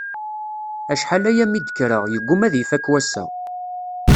Acḥal-aya mi d-kkreɣ, yegguma ad ifakk wassa.